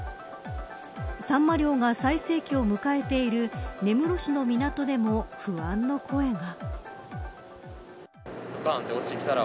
サンマ漁が最盛期を迎えている根室市の港でも不安の声が。